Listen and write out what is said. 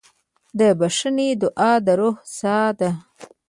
د بښنې دعا د روح ساه ده.